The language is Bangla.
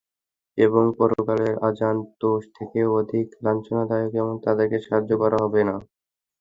এবং পরকালের আযাব তো এ থেকেও অধিক লাঞ্ছনাদায়ক এবং তাদেরকে সাহায্য করা হবে না।